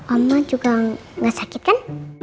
oma juga gak sakit kan